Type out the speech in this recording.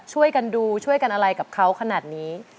ช่วยกันดูช่วยกันอะไรกับเขาขนาดนี้